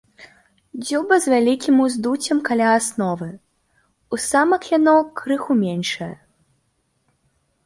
Дзюба з вялікім уздуццем каля асновы, у самак яно крыху меншае.